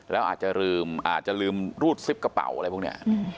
แล้วอาจจะลืมอาจจะลืมรูดซิปกระเป๋าอะไรพวกนี้